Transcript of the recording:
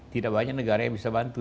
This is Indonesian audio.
tidak banyak negara yang bisa bantu